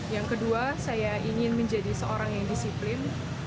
yang kedua saya ingin menjadi seorang yang disiplin